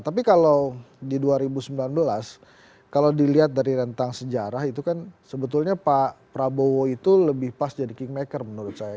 tapi kalau di dua ribu sembilan belas kalau dilihat dari rentang sejarah itu kan sebetulnya pak prabowo itu lebih pas jadi kingmaker menurut saya